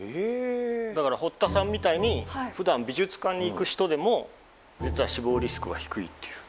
だから堀田さんみたいにふだん美術館に行く人でも実は死亡リスクは低いっていう。